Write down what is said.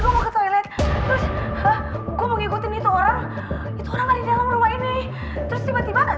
gue mau ke toilet terus gue mau ngikutin itu orang itu orang ada di dalam rumah ini terus tiba tiba